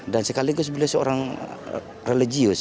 sekaligus beliau seorang religius